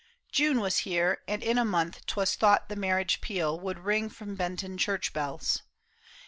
June was here, And in a month 'twas thought the marriage peal Would ring from Benton diurch bells.